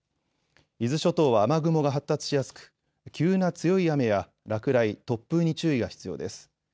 伊豆諸島は雨雲が発達しやすく急な強い雨や落雷、突風に注意が必要です。